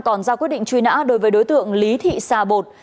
còn ra quyết định truy nã đối với đối tượng lý thị sa bột